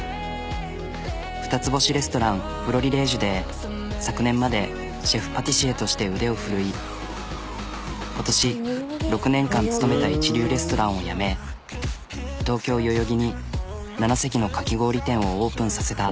二つ星レストランＦｌｏｒｉｌｇｅで昨年までシェフパティシエとして腕を振るい今年６年間勤めた一流レストランを辞め東京代々木に７席のかき氷店をオープンさせた。